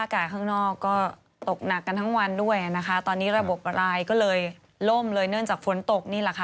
ข้างนอกก็ตกหนักกันทั้งวันด้วยนะคะตอนนี้ระบบรายก็เลยล่มเลยเนื่องจากฝนตกนี่แหละค่ะ